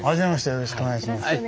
よろしくお願いします。